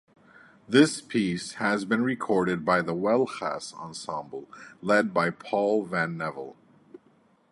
This piece has been recorded by the Huelgas Ensemble, led by Paul Van Nevel.